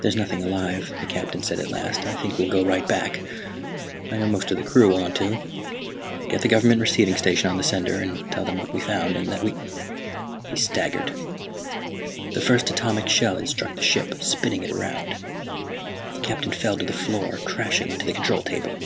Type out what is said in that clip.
"There's nothing alive," the Captain said at last. "I think we'll go right back; I know most of the crew want to. Get the Government Receiving Station on the sender and tell them what we found, and that we " He staggered. The first atomic shell had struck the ship, spinning it around. The Captain fell to the floor, crashing into the control table.